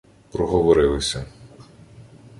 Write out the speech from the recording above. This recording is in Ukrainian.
Проговорилися